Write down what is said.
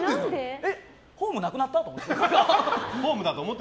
え、ホームなくなった？って思って。